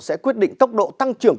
sẽ quyết định tốc độ tăng trưởng